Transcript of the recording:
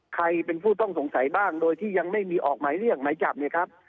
ใครเป็นผู้ต้องสงสัยบ้างโดยที่ยังไม่มีออกหมายเรียกหมายจับเนี่ยครับ